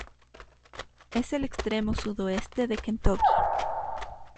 Es el extremo sudoeste de Kentucky.